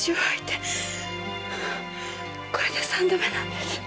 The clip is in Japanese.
これで三度目なんです。